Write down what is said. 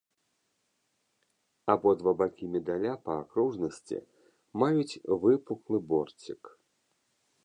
Абодва бакі медаля па акружнасці маюць выпуклы борцік.